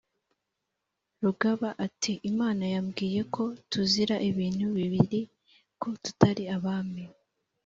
rugaba ati: "Imana yambwiye ko tuzira ibintu bibiri : ko tutari abami,